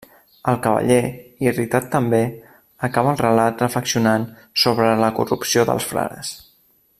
El cavaller, irritat també, acaba el relat reflexionant sobre la corrupció dels frares.